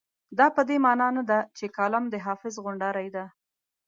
دا په دې مانا نه ده چې کالم د حافظ غونډارۍ ده.